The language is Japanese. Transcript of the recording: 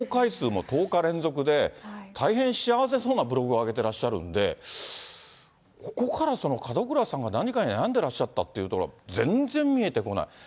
ブログの投稿回数も１０日連続で、大変幸せそうなブログを上げていらっしゃるんで、ここから門倉さんが何か悩んでらしたっていうのは、全然見えてこない。